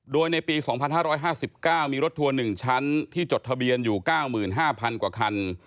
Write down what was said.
โดยในปี๒๕๕๙มีรถทัวร์๑ชั้นที่จดทะเบียนอยู่๙๕๐๐กว่าคัน